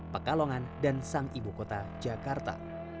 pekalongan dan sang ibukota jakarta